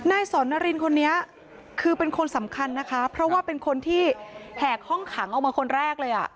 นายสอนนารินคนนี้คือเป็นคนสำคัญนะคะเพราะว่าเป็นคนที่แหกห้องขังเอามาคนแรกเลยอ่ะ